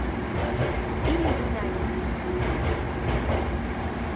Ilimi na da muhimmanci.